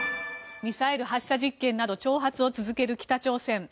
ミサイル発射実験など挑発を続ける北朝鮮。